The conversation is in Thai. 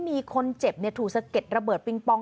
มีคนเจ็บถูกสะเก็ดระเบิดปิงปอง